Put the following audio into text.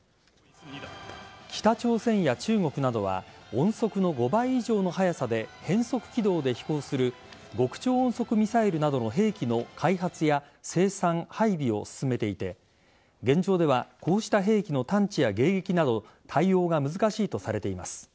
北朝鮮や中国などは音速の５倍以上の速さで変則軌道で飛行する極超音速ミサイルなどの兵器の開発や生産、配備を進めていて現状ではこうした兵器の探知や迎撃など対応が難しいとされています。